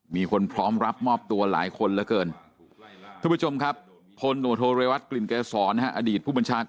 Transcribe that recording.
มีคนพร้อมรับมอบตัวหลายคนเยอะเกินทุกผู้ชมครับโทนหนู่โทเลวัฒน์กลิ่นเกษรศรของประบบรามไยเสพติป